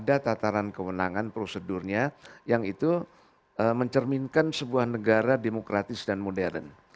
ada tataran kewenangan prosedurnya yang itu mencerminkan sebuah negara demokratis dan modern